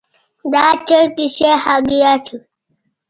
دا چرګي ښي هګۍ اچوي